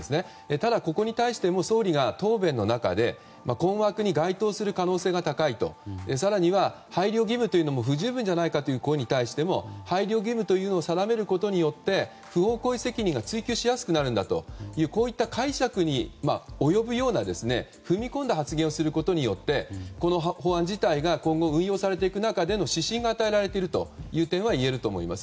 ただ、ここに対しても総理が答弁の中で困惑に該当する可能性が高いと更には、配慮義務というのも不十分ではないかという声に対しても配慮義務というのを定めることによって不法行為責任が追及しやすくなるんだとこういった解釈に及ぶような踏み込んだ発言をすることによってこの法案自体が今後、運用されていく中での指針が与えられているという点は言えると思います。